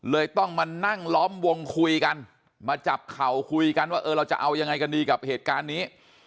ต้องมานั่งล้อมวงคุยกันมาจับเข่าคุยกันว่าเออเราจะเอายังไงกันดีกับเหตุการณ์นี้